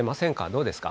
どうですか？